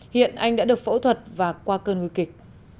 hiện anh đã được phẫu thuật và qua cơn nguy kịch